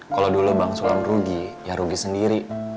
kalau dulu bang sulam rugi ya rugi sendiri